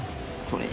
これ。